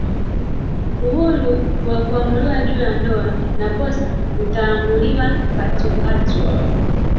uhuru wa kuamua juu ya ndoa na posa zitaambulia patupu